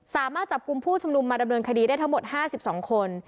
สามารถจับกลุ่มผู้ชุมนุมมาดำเนินคดีได้ทั้งหมด๕๒คน